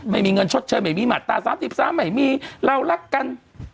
ไม่มีเงินชดเชยไม่มีมาตรา๓๓ไม่มีเรารักกัน